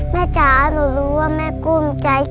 จ๋าหนูรู้ว่าแม่กุ้มใจ